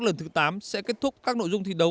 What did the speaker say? lần thứ tám sẽ kết thúc các nội dung thi đấu